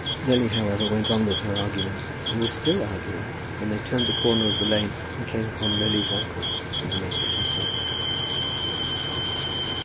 Lily, however, went on with her arguments, and was still arguing when they turned the corner of the lane, and came upon Lily's uncle and the major himself.